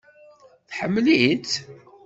Tḥemmel-itt?